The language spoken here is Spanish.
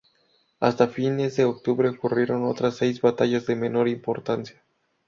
Hasta fines de octubre ocurrieron otras seis batallas de menor importancia.